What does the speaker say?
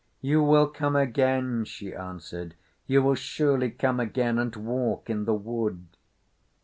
"You will come again," she answered. "You will surely come again and walk in the wood."